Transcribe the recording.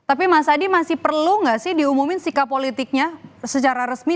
tapi mas adi masih perlu nggak sih diumumin sikap politiknya secara resmi